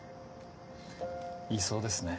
言いそうですね。